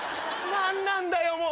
何なんだよ